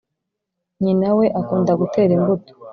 nyina we akunda gutera imbuto